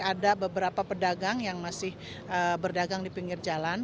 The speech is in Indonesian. ada beberapa pedagang yang masih berdagang di pinggir jalan